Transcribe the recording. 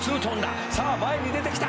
「さあ前に出てきた」